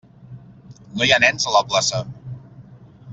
No hi ha nens a la plaça!